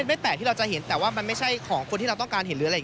ไม่แปลกที่เราจะเห็นแต่ว่ามันไม่ใช่ของคนที่เราต้องการเห็น